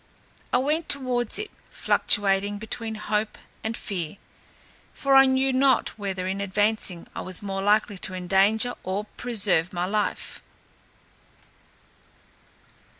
I went towards it, fluctuating between hope and fear, for I knew not whether in advancing I was more likely to endanger or to preserve my life.